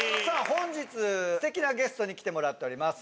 本日素敵なゲストに来てもらっております